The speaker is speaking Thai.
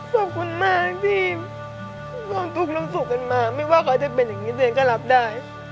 ขอบคุณมากทีมความทรงรับสุขกันมาไม่ว่าคอยเป็นอย่างงี้เสียงก็รับได้